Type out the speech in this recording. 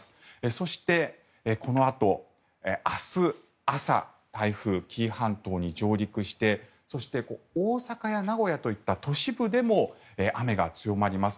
そして、このあと明日朝台風、紀伊半島に上陸してそして大阪や名古屋といった都市部でも雨が強まります。